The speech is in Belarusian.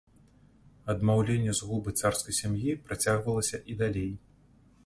Адмаўленне згубы царскай сям'і працягвалася і далей.